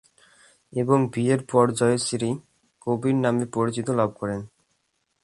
এবং বিয়ের পরে জয়শ্রী কবির নামে পরিচিতি লাভ করেন।